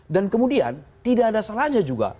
dan kemudian tidak ada salahnya juga